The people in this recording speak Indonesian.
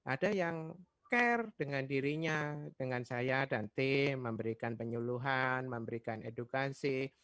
ada yang care dengan dirinya dengan saya dan tim memberikan penyuluhan memberikan edukasi